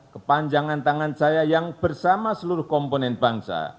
kepanjangan tangan saya yang bersama seluruh komponen bangsa